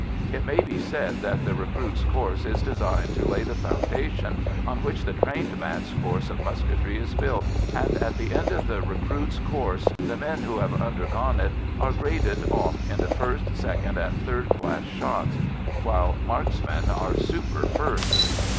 It may be said that the recruits' course is designed to lay the foundation on which the trained man's course of musketry is built, and at the end of the recruits' course the men who have undergone it are graded off into first, second, and third class shots, while "marksmen" are super firsts.